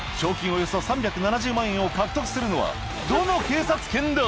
およそ３７０万円を獲得するのはどの警察犬だ？